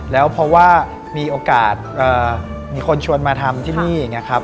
แล้วเพราะว่ามีโอกาสมีคนชวนมาทำที่นี่อย่างนี้ครับ